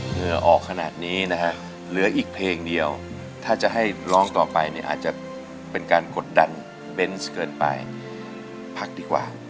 เหนื่อออกขนาดนี้นะฮะเหลืออีกเพลงเดียวถ้าจะให้ร้องต่อไปอาจจะเป็นการกดดันเวท์เสียไป